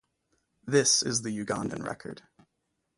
This is the Ugandan record.